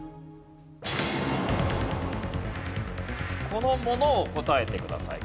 このものを答えてください。